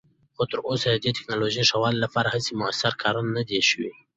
خو تراوسه د دې تکنالوژۍ ښه والي لپاره هیڅ مؤثر کار نه دی شوی.